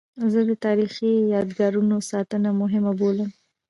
زه د تاریخي یادګارونو ساتنه مهمه بولم.